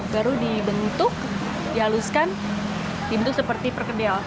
baru dibentuk dihaluskan dibentuk seperti perkedel